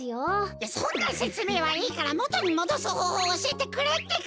いやそんなせつめいはいいからもとにもどすほうほうをおしえてくれってか！